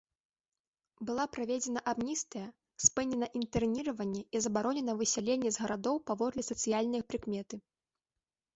Была праведзена амністыя, спынена інтэрніраванне і забаронена высяленне з гарадоў паводле сацыяльнай прыкметы.